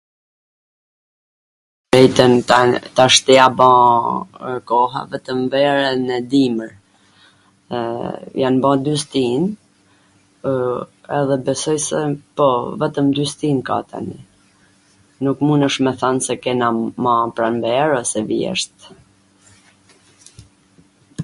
Vetwm tan tashti a ba koha, vetwm verwn dhe dimrin, www, jan ba dy stin edhe besoj se po vetwm dy stin ka tani, nuk munesh me than se kena ma pranver ose vjesht